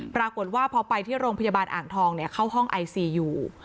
ปรากฏว่าพอไปที่โรงพยาบาลอ่างทองเข้าห้องไอซีอยู่